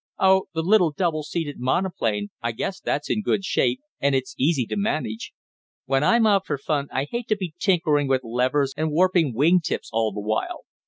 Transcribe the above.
"Oh, the little double seated monoplane, I guess that's in good shape, and it's easy to manage. When I'm out for fun I hate to be tinkering with levers and warping wing tips all the while.